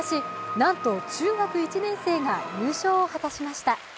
なんと中学１年生が優勝を果たしました。